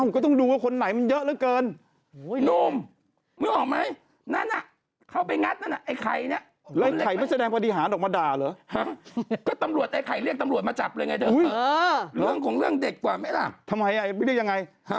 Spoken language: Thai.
ก็ต้องดูกับคนไหนมันเยอะเหลือเกิน